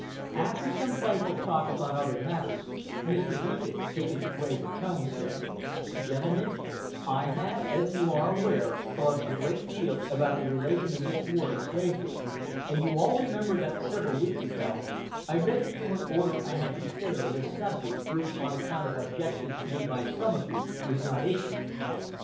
After some playful talk upon other matters, Mr. Lincoln, taking a graver tone, said: "Gentlemen: I have, as you are aware, thought a great deal about the relation of this war to slavery, and you all remember that several weeks ago I read to you an order I had prepared on this subject, which, on account of objections made by some of you, was not issued.